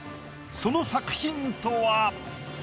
その作品とは？